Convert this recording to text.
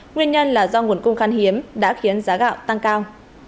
nguyên nhân là do nguồn cung khan hiếm đã khiến giá gạo tăng cao